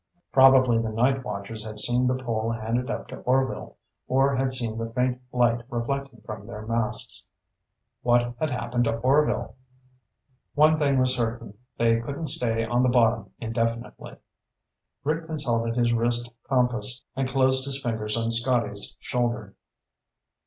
Probably the night watchers had seen the pole handed up to Orvil, or had seen the faint light reflecting from their masks. What had happened to Orvil? One thing was certain. They couldn't stay on the bottom indefinitely. Rick consulted his wrist compass and closed his fingers on Scotty's shoulder.